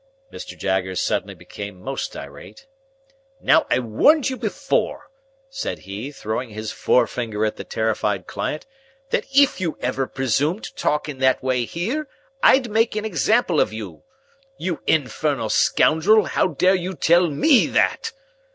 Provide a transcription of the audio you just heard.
Mr. Jaggers suddenly became most irate. "Now, I warned you before," said he, throwing his forefinger at the terrified client, "that if you ever presumed to talk in that way here, I'd make an example of you. You infernal scoundrel, how dare you tell ME that?"